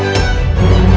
ke kantor saya